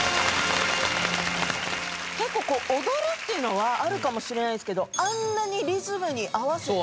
結構踊るっていうのはあるかもしれないんですけどあんなにリズムに合わせて。